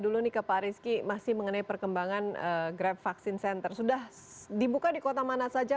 dulu nih ke pak rizky masih mengenai perkembangan grab vaksin center sudah dibuka di kota mana saja